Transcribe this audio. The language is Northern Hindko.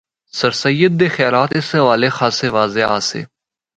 سرسید دے خیالات اس حوالے خاصے واضح آسے۔